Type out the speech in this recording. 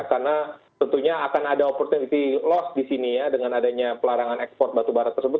karena tentunya akan ada opportunity lost di sini ya dengan adanya pelarangan ekspor batu bara tersebut